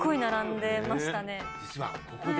実はここで。